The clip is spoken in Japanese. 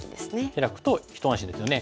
ヒラくと一安心ですよね。